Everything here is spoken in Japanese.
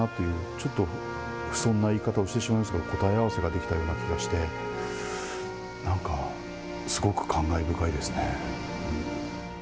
ちょっと不遜な言い方をしてしまいますけど答え合わせができたような気がしてなんかすごく感慨深いですね。